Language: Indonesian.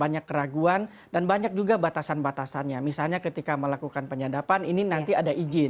banyak keraguan dan banyak juga batasan batasannya misalnya ketika melakukan penyadapan ini nanti ada izin